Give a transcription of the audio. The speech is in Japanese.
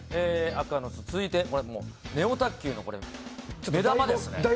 続いて、ネオ卓球の目玉ですね。